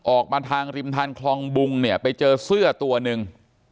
ออกมาทางริมทางคลองบุงเนี่ยไปเจอเสื้อตัวหนึ่ง